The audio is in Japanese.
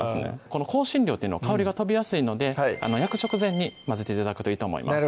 この香辛料っていうのは香りが飛びやすいので焼く直前にまぜて頂くといいと思います